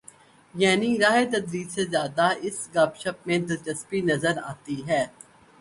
یعنی راہ تدریس سے زیادہ اس گپ شپ میں دلچسپی نظر آتی ہے۔